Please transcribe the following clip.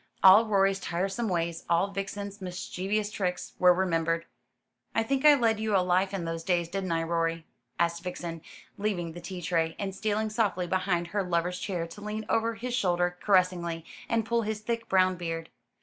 All Rorie's tiresome ways, all Vixen's mischievous tricks, were remembered. "I think I led you a life in those days, didn't I, Rorie?" asked Vixen, leaving the teatray, and stealing softly behind her lover's chair to lean over his shoulder caressingly, and pull his thick brown beard.